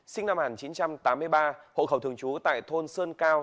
sinh năm một nghìn chín trăm tám mươi ba hộ khẩu thường trú tại thôn sơn cao